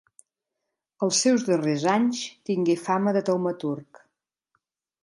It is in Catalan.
Els seus darrers anys tingué fama de taumaturg.